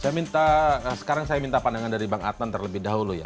saya minta sekarang saya minta pandangan dari bang adnan terlebih dahulu ya